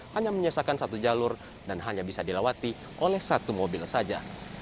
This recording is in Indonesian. hanya menyisakan satu jalur dan hanya bisa dilewati oleh satu mobil saja